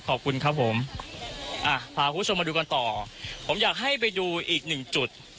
ขอบคุณครับผมอ่ะพาคุณผู้ชมมาดูกันต่อผมอยากให้ไปดูอีกหนึ่งจุด